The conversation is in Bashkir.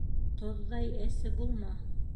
Тоҙҙай әсе булма